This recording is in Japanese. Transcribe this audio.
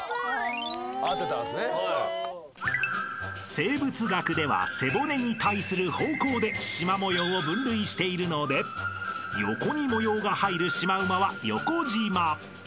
［生物学では背骨に対する方向でしま模様を分類しているので横に模様が入るシマウマは横じま］